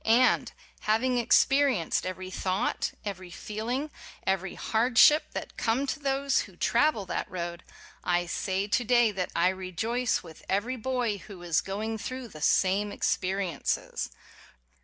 And, having experienced every thought, every feeling, and every hard ship that come to those who travel that road, I say to day that I rejoice with every boy who is going through the same experiences.